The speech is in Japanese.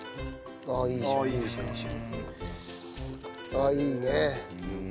ああいいねえ。